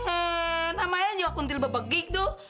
eh namanya juga kuntil bebegik tuh